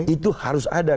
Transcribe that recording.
itu harus ada